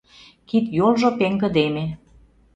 Кид-йолжо пеҥгыдеме.